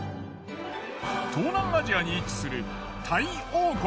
東南アジアに位置する。